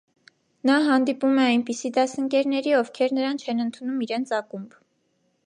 Նա հանդիպում է այնպիսի դասընկերերի, ովքեր նրան չեն ընդունում իրենց ակումբ։